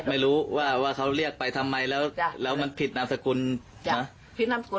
ไม่รู้ว่าว่าเขาเรียกไปทำไมแล้วมันผิดนามสกุลจ้ะ